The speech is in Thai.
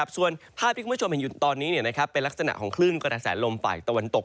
ส่วนภาพที่คุณผู้ชมเห็นอยู่ตอนนี้เป็นลักษณะของคลื่นกระแสลมฝ่ายตะวันตก